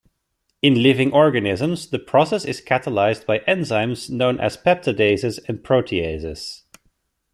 In living organisms, the process is catalyzed by enzymes known as peptidases or proteases.